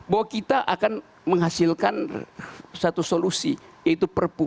bahwa kita akan menghasilkan satu solusi yaitu perpu